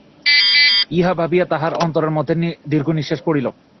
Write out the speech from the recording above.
ইহা ভাবিয়া তাঁহার অন্তরের মধ্য হইতে দীর্ঘনিশ্বাস পড়িল।